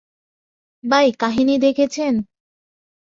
ভাই, কাহিনী দেখেছেন?